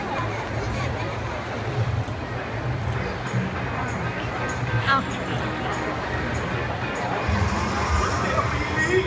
วันนี้ก็เป็นปีนี้